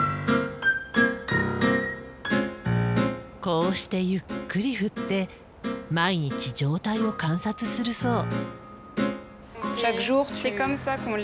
こうしてゆっくり振って毎日状態を観察するそう。